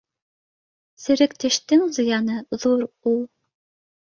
— Серек тештең зыяны ҙур ул.